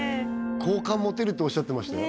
好感持てるっておっしゃってましたよ